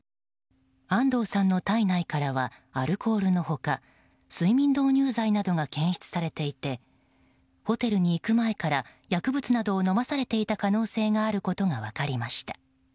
安藤さんの体内からはアルコールの他睡眠導入剤などが検出されていてホテルに行く前から薬物などを飲まされていた可能性があることが分かりました。